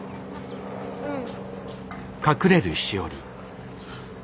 うん。